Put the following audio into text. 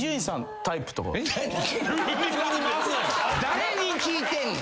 誰に聞いてんねん。